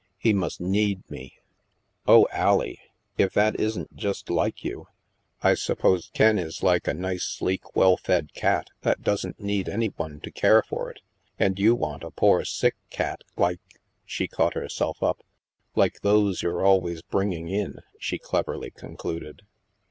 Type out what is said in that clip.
He must need me." " Oh, Allie, if that isn't just like you ! I suppose Ken is like a nice sleek well fed cat, that doesn't need any one to care for it, and you want a poor sick cat like "— she caught herself up —" like those you're always bringing in," she cleverly concluded.